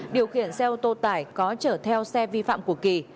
điều khiển xe ô tô tải có chở theo xe vi phạm của kỳ